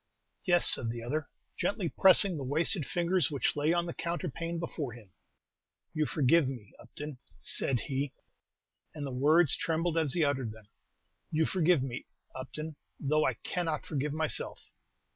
"Yes," said the other, gently pressing the wasted fingers which lay on the counterpane before him. "You forgive me, Upton," said he, and the words trembled as he uttered them, "You forgive me, Upton, though I cannot forgive myself."